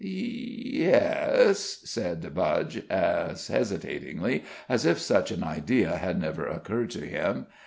"Y e es," said Budge, as hesitatingly as if such an idea had never occurred to him.